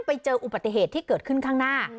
ไปเจออุบัติเหตุที่เกิดขึ้นข้างหน้า